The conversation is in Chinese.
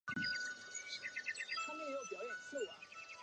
并且依托城市开展配套改革。